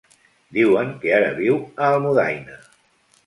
Diuen que ara viu a Almudaina.